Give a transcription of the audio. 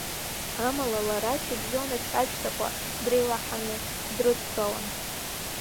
Амала лара шьыбжьон ачашә сақәа дреилаҳаны дрыдтәалан.